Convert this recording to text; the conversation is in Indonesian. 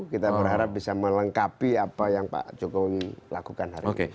kita berharap bisa melengkapi apa yang pak jokowi lakukan hari ini